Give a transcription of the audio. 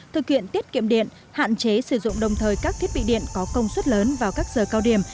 thực hiện tiết kiệm điện hạn chế sử dụng đồng thời các thiết bị điện có công suất lớn vào các giờ cao điểm